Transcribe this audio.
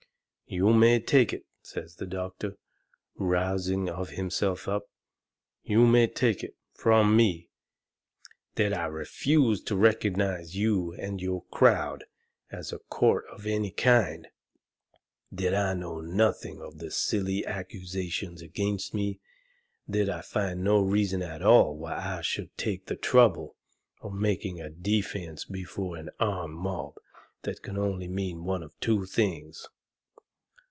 "You may take it," says the doctor, rousing of himself up, "you may take it from me that I refuse to recognize you and your crowd as a court of any kind; that I know nothing of the silly accusations against me; that I find no reason at all why I should take the trouble of making a defence before an armed mob that can only mean one of two things."